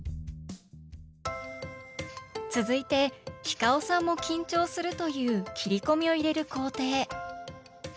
続いてｈｉｃａｏさんも緊張するという切り込みを入れる工程。